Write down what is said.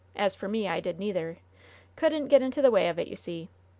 As for me, I did neither. Couldn't get into the way of it, you see.